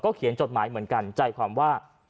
เขียนจดหมายเหมือนกันใจความว่า